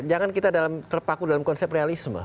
jangan kita terpaku dalam konsep realisme